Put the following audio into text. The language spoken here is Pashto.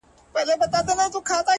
• ها ښکلې که هر څومره ما وغواړي؛